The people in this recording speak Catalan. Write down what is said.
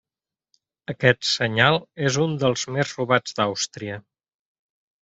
Aquest senyal és un dels més robats d'Àustria.